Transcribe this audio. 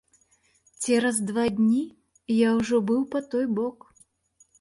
Цераз два дні я ўжо быў па той бок.